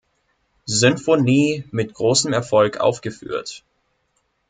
Sinfonie mit großem Erfolg aufgeführt.